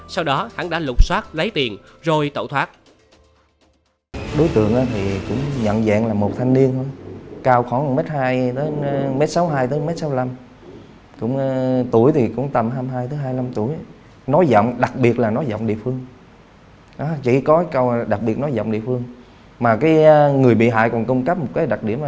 sau đó đối tượng đã dùng chày đập hai nhát vào đầu